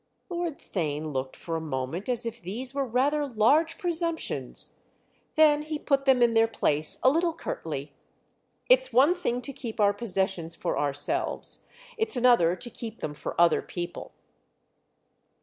Lord Theign looked for a moment as if these were rather large presumptions; then he put them in their place a little curtly. "It's one thing to keep our possessions for ourselves—it's another to keep them for other people."